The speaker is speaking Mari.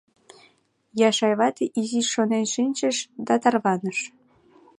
Яшай вате изиш шонен шинчыш да тарваныш: